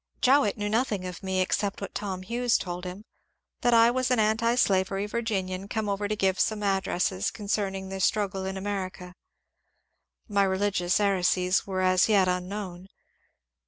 Jowett knew nothing of me except what Tom Hughes told him, — that I was an antislavery Virginian come over to give some addresses concerning the struggle in America. My reli gious heresies were as yet unknown.